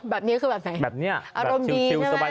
แบบนี้คือแบบไหนอารมณ์ดีใช่ไหมแบบนี้ชิลสบาย